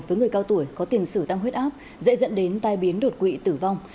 với người cao tuổi có tiền xử tăng huyết áp dễ dẫn đến tai biến đột quỵ tử vong